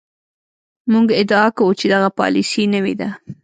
موږ ادعا کوو چې دغه پالیسي نوې ده.